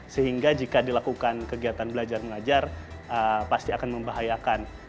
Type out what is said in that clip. sehingga jika dilakukan kegiatan belajar mengajar pasti akan membahayakan